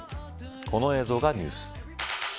この映像がニュース。